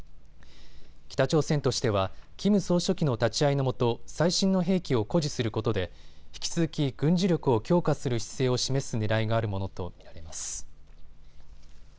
北朝鮮としてはキム総書記の立ち会いのもと最新の兵器を誇示することで引き続き軍事力を強化する姿勢を示すねらいがあるものと見られます。